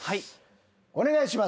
お願いします。